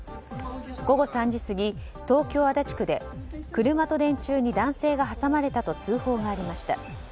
午後３時過ぎ、東京・足立区で車と電柱に男性が挟まれたと通報がありました。